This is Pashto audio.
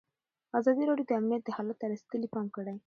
ازادي راډیو د امنیت حالت ته رسېدلي پام کړی.